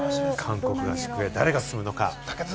韓国合宿は誰が進むのか。